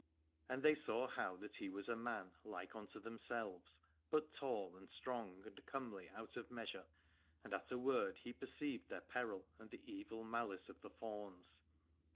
And they saw how that he was a man like unto themselves, but tall and strong and comely out of measure, and at a word he perceived their peril and the evil malice of the fauns.